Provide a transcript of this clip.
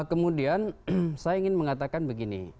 kemudian saya ingin mengatakan begini